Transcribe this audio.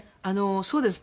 そうです。